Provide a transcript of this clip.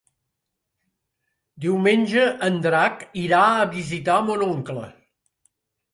Diumenge en Drac irà a visitar mon oncle.